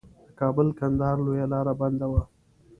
د کابل کندهار لویه لار بنده وه.